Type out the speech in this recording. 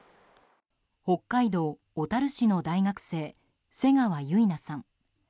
北海道小樽市の大学生瀬川結菜さん。